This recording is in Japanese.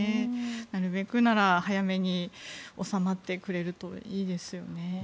なるべくなら、早めに収まってくれるといいですよね。